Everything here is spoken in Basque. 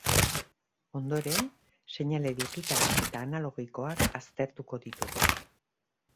Ondoren, seinale digitalak eta analogikoak aztertuko ditugu.